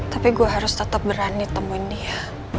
tapi saya harus tetap berani temui dia